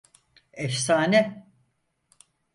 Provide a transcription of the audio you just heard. Efsane!